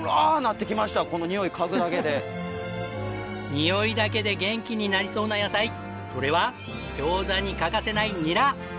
匂いだけで元気になりそうな野菜それは餃子に欠かせないニラ。